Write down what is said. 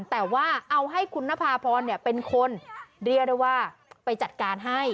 แต่ว่าเอาให้คุณนภาพรเป็นคนเรียกได้ว่าไปจัดการให้